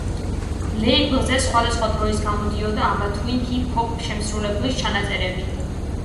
ლეიბლზე სხვადასხვა დროს გამოდიოდა ამა თუ იმ ჰიპ-ჰოპ შემსრულებლის ჩანაწერები.